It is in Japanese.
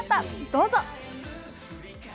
どうぞ。